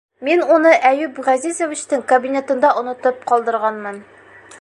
Мин уны Әйүп Ғәзизовичтың кабинетында онотоп ҡалдырғанмын...